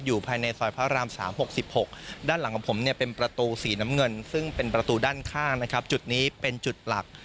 ภายในซอยพระราม๓๖๖ด้านหลังของผมเนี่ยเป็นประตูสีน้ำเงินซึ่งเป็นประตูด้านข้างนะครับจุดนี้เป็นจุดหลัก